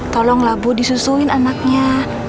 tolonglah bu disusuin anaknya